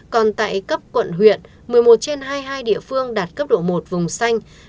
còn tại cấp quận huyện một mươi một trên hai mươi hai địa phương đạt cấp độ một vùng xanh